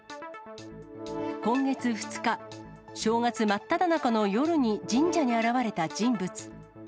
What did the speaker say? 今月２日、正月真っただ中の夜に神社に現れた人物。